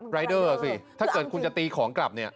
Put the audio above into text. รายเดอร์สิถ้าเกิดคุณจะตีของกลับเนี่ย